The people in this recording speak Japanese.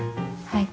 はい。